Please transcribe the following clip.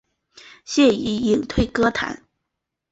现已退隐歌坛。